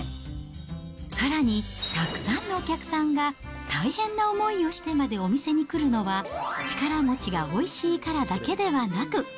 さらに、たくさんのお客さんが大変な思いをしてまでお店に来るのは、力餅がおいしいからだけではなく。